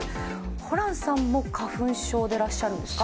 ホランさんも花粉症でらっしゃるんですか？